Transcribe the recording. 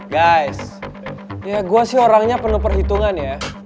guys ya gue sih orangnya penuh perhitungan ya